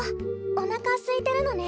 おなかすいてるのね。